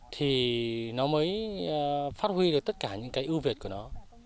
thì nó mới phát huy được tất cả những cái ưu việt của nó